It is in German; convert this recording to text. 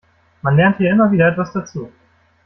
Man lernt hier immer wieder etwas dazu.